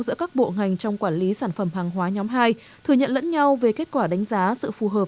giữa các bộ ngành trong quản lý sản phẩm hàng hóa nhóm hai thừa nhận lẫn nhau về kết quả đánh giá sự phù hợp